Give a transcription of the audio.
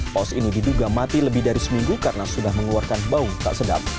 paus ini diduga mati lebih dari seminggu karena sudah mengeluarkan baung tak sedap